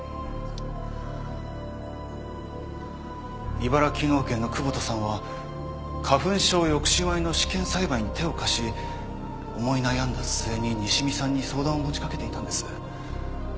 茨城農研の窪田さんは花粉症抑止米の試験栽培に手を貸し思い悩んだ末に西見さんに相談を持ち掛けていたんです。